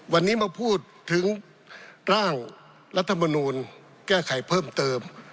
วันนี้มาพูดถึงร่างรัฐมนูลแก้ไขเพิ่มเติม